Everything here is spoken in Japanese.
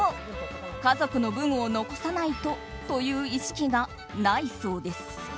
家族の分を残さないとという意識がないそうです。